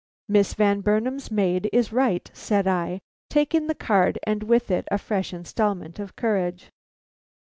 "Miss Van Burnam's maid is right," said I, taking the card and with it a fresh installment of courage.